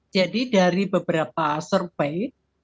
jadi dari beberapa survei